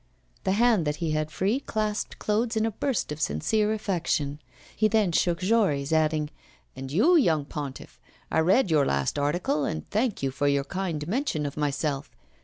The hand that he had free grasped Claude's in a burst of sincere affection. He then shook Jory's, adding: 'And you, young pontiff; I read your last article, and thank you for your kind mention of myself.